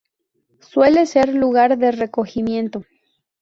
Suele ser lugar de recogimiento.